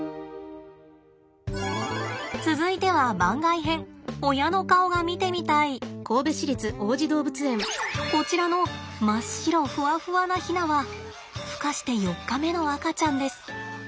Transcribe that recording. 続いては番外編こちらの真っ白ふわふわなヒナはふ化して４日目の赤ちゃんです。